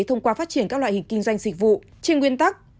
thông qua phát triển các loại hình kinh doanh dịch vụ trên nguyên tắc